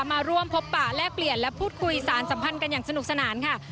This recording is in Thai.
มาร่วมพบปะแลกเปลี่ยนและพูดคุยสารสัมพันธ์กันอย่างสนุกสนานค่ะ